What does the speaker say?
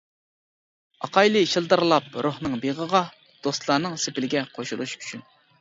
ئاقايلى شىلدىرلاپ روھنىڭ بېغىغا، دوستلارنىڭ سېپىگە قوشۇلۇش ئۈچۈن.